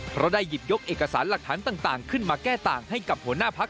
เพราะได้หยิบยกเอกสารหลักฐานต่างขึ้นมาแก้ต่างให้กับหัวหน้าพัก